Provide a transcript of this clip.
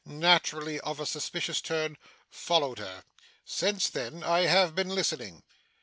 naturally of a suspicious turn, followed her. Since then, I have been listening.